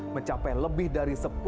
mencapai lebih dari sepuluh ribu